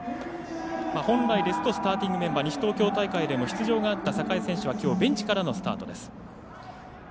本来ですとスターティングメンバー西東京大会でも入っていた榮選手はきょうベンチからのスタートです。